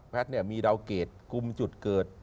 แพทย์เนี่ยมีดาวเกรดกลุ่มจุดเกิด